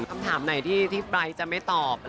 คำถามอะไรที่ไบร์ทจะไม่ตอบ